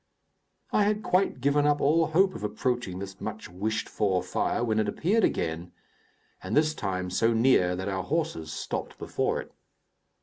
I had quite given up all hope of approaching this much wished for fire, when it appeared again, and this time so near that our horses stopped before it.